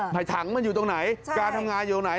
ถังมันอยู่ตรงไหนการทำงานอยู่ตรงไหน